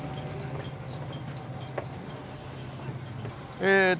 えっと